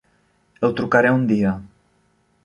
El trucaré un dia.